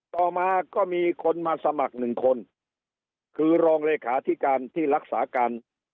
ต่อมาก็มีคนมาสมัครหนึ่งคนคือรองเลขาธิการที่รักษาการ